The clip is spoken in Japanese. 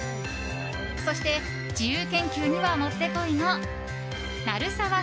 そして自由研究にはもってこいのなるさわ